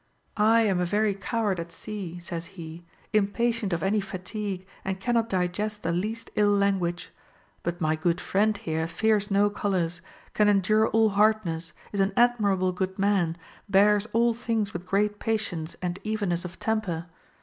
I am a very coward at sea, says he, impatient of any fatigue, and cannot digest the least ill language ; but my good friend here fears no colors, can endure all hardness, is an admirable good man, bears all things with great patience and evenness of temper.